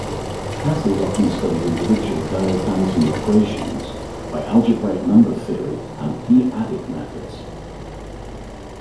Cassels often studied individual Diophantine equations by algebraic number theory and p-adic methods.